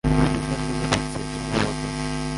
ও বিষাদ রোগে ভুগছে, সম্ভবত।